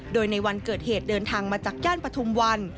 โดยในวันเกิดเหตุเดินทางมาจากย่านปฐุมวัน